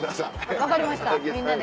分かりましたみんなで。